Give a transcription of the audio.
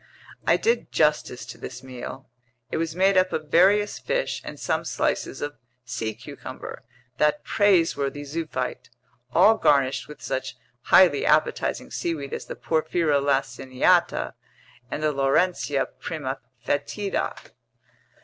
I did justice to this meal. It was made up of various fish and some slices of sea cucumber, that praiseworthy zoophyte, all garnished with such highly appetizing seaweed as the Porphyra laciniata and the Laurencia primafetida.